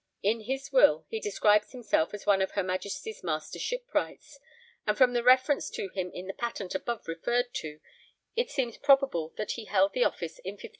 In his will he describes himself as one of her Majesty's Master Shipwrights, and from the reference to him in the patent above referred to it seems probable that he held the office in 1584.